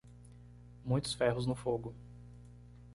Muitos ferros no fogo.